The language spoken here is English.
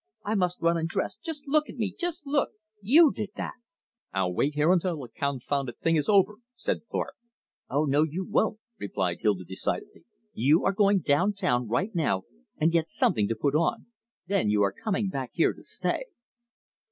I must run and dress. Just look at me; just LOOK! YOU did that!" "I'll wait here until the confounded thing is over," said Thorpe. "Oh, no, you won't," replied Hilda decidedly. "You are going down town right now and get something to put on. Then you are coming back here to stay."